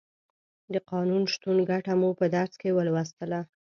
د قانون شتون ګټه مو په درس کې ولوستله.